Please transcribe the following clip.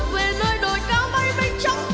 về nơi đồi cao bay bay trong